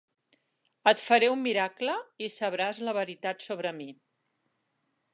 Et faré un miracle i sabràs la veritat sobre mi.